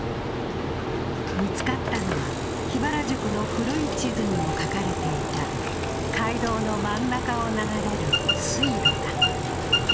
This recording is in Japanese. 見つかったのは、桧原宿の古い地図にも描かれていた街道の真ん中を流れる水路だ。